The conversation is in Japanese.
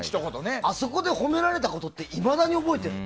あそこで褒められたことっていまだに覚えてる。